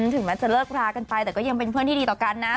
ถึงแม้จะเลิกรากันไปแต่ก็ยังเป็นเพื่อนที่ดีต่อกันนะ